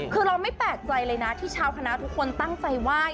คือเราไม่แปลกใจเลยนะที่ชาวคณะทุกคนตั้งใจไหว้